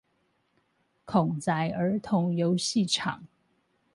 孔宅兒童遊戲場